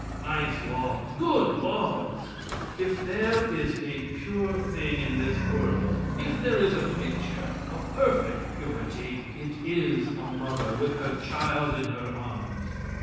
Nice laws! Good laws! If there is a pure thing in this world, if there is a picture of perfect purity, it is a mother with her child in her arms.